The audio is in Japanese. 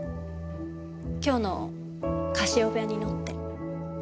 今日のカシオペアに乗って。